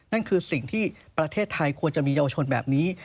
นั่นคือสิ่งที่ประเทศไทยควรจะมีเยาวชนแบบนี้